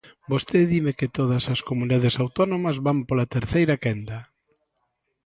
Vostede dime que todas as comunidades autónomas van pola terceira quenda.